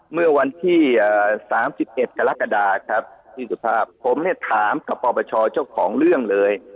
เมื่อวันที่๓๑กรกฎาครับพี่สุภาพผมเนี่ยถามกับปปชเจ้าของเรื่องเลย